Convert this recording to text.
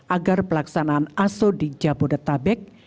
agar pelaksanaan aso di jabodetabek